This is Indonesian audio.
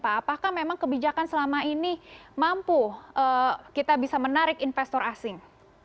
apakah memang kebijakan selama ini mampu kita bisa menarik investor asing